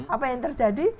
apa yang terjadi